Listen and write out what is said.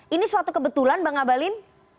ini suatu kebetulan bang ngabalin